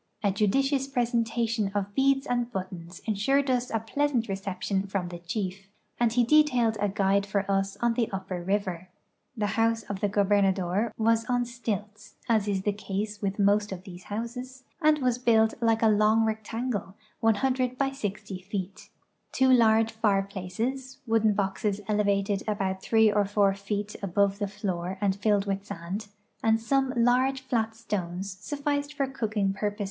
A judicious presentation of heads and buttons insured us a pleasant reception from the chief, and he detailed a guide for us on the upper river. The house of the gobernador was on stilts (as is the case with most of these houses) and was built like a long rectangle, 100 by GO feet. Two large fireplaces (wooden Ijoxes elevated about three or four feet above the lloor and filled witli sand) and some large fiat stones sufiiced for cooking pur|>o.